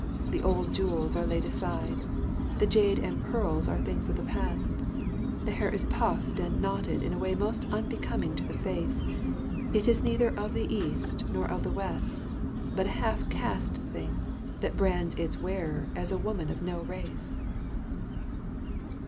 The old jewels are laid aside, the jade and pearls are things of the past. The hair is puffed and knotted in a way most unbecoming to the face. It is neither of the East nor of the West, but a half caste thing, that brands its wearer as a woman of no race.